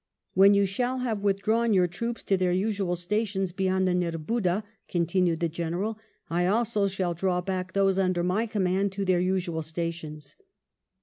"When you shall have withdrawn your troops to their usual stations beyond the Nerbudda," continued the General, " I also shall draw back those under my command to their usual stations."